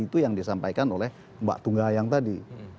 itu yang disampaikan oleh mbak tunggahayang tadi